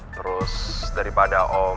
terus daripada om